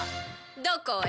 どこへ？